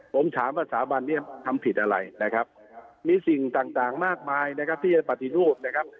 ผมถามว่าสถาบันนี้ทำผิดอะไรนะครับมีสิ่งต่างมากมายนะครับที่จะปฏิรูปนะครับ